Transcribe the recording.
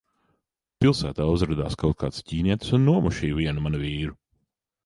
Pilsētā uzradās kaut kāds ķīnietis un nomušīja vienu manu vīru.